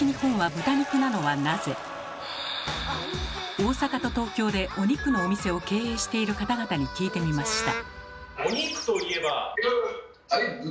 大阪と東京でお肉のお店を経営している方々に聞いてみました。